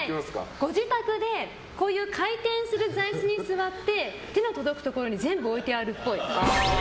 ご自宅で回転する座椅子に座って手の届くところに全部置いてあるっぽい。